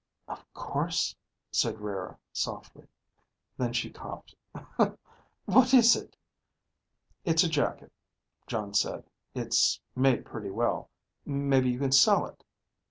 "Of course," said Rara softly. Then she coughed. "Er ... what is it?" "It's a jacket," Jon said. "It's made pretty well. Maybe you can sell it?"